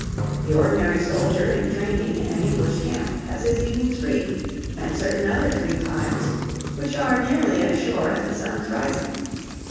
The ordinary soldier in training in an English camp has his evenings free, and certain other free times, which are nearly as sure as the sun's rising.